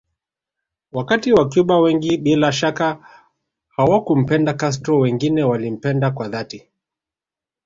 Wakati wacuba wengi bila shaka hawakumpenda Castro wengine walimpenda kwa dhati